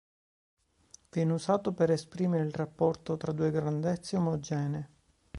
Viene usato per esprimere il rapporto tra due grandezze omogenee.